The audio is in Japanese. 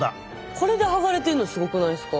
これで剥がれてるのすごくないですか？